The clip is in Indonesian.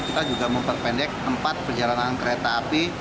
kita juga memperpendek tempat perjalanan kereta api